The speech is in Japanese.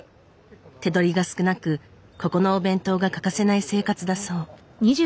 手取りが少なくここのお弁当が欠かせない生活だそう。